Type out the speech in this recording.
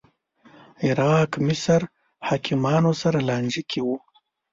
عراق مصر حاکمانو سره لانجه کې و